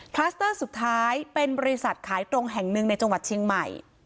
คลัสเตอร์สุดท้ายเป็นบริษัทขายตรงแห่งหนึ่งในจังหวัดเชียงใหม่